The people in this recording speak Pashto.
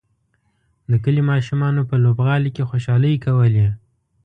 د کلي ماشومانو په لوبغالي کې خوشحالۍ کولې.